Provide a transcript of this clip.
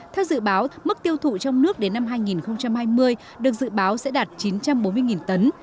theo dự báo mức tiêu thụ trong nước đến năm hai nghìn hai mươi được dự báo sẽ đạt chín trăm bốn mươi tấn